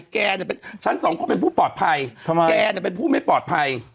แกเนี่ยเป็นฉันสองคนเป็นผู้ปลอดภัยทำไมแกเป็นผู้ไม่ปลอดภัย